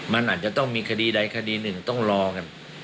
มันอาจจะต้องมีคดีใดคดีหนึ่งต้องรอกัน